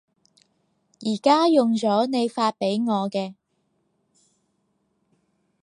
而家用咗你發畀我嘅